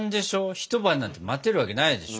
一晩なんて待てるわけないでしょ。